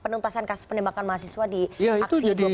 penuntasan kasus penembakan mahasiswa di aksi dua puluh satu